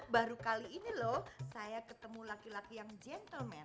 baru kali ini loh saya ketemu laki laki yang gentleman